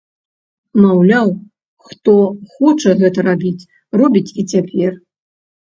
Маўляў, хто хоча гэта рабіць, робіць і цяпер.